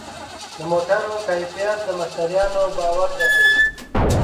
د موټرو کیفیت د مشتریانو باور زیاتوي.